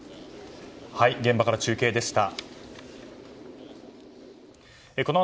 現場から中継でした。